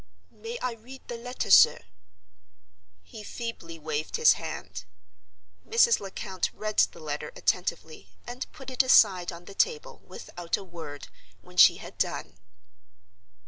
"May I read the letter, sir?" He feebly waved his hand. Mrs. Lecount read the letter attentively, and put it aside on the table, without a word, when she had done.